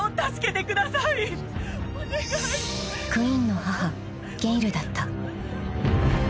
［クインの母ゲイルだった］